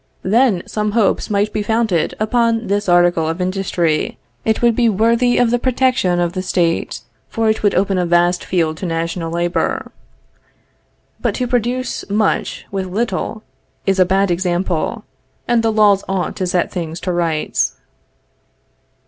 then some hopes might be founded upon this article of industry; it would be worthy of the protection of the state, for it would open a vast field to national labor. But to produce much with little is a bad example, and the laws ought to set things to rights.